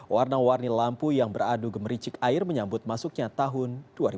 warna warni lampu yang beradu gemericik air menyambut masuknya tahun dua ribu dua puluh